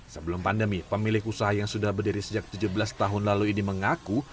sebelum pandemi pemilik usaha yang sudah berdiri sejak tujuh belas tahun lalu ini mengaku